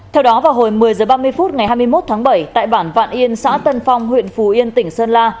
theo đó vào hồi một mươi h ba mươi phút ngày hai mươi một tháng bảy tại bản vạn yên xã tân phong huyện phù yên tỉnh sơn la